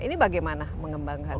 ini bagaimana mengembangkannya